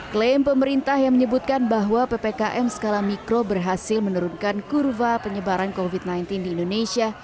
klaim pemerintah yang menyebutkan bahwa ppkm skala mikro berhasil menurunkan kurva penyebaran covid sembilan belas di indonesia